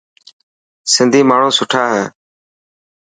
سنڌي ماڻهو سٺا هي.